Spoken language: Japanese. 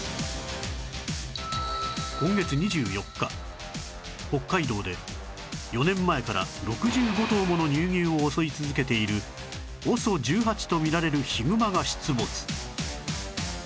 今月２４日北海道で４年前から６５頭もの乳牛を襲い続けている ＯＳＯ１８ とみられるヒグマが出没